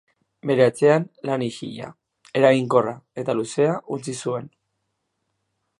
Bere atzean lan isila, eraginkorra eta luzea utzi zuen.